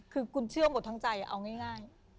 คือคุณเชื่อหมดทั้งใจเอาง่าย